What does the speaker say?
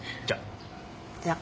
じゃあ。